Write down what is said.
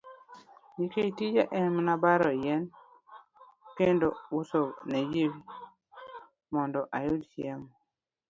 Nikech tija en mana baro yien kendo uso ne ji, mondo ayud chiemo.